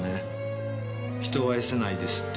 人を愛せないですって。